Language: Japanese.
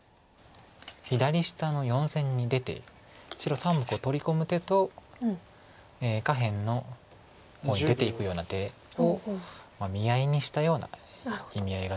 左下の４線に出て白３目を取り込む手と下辺の方に出ていくような手を見合いにしたような意味合いが強いです。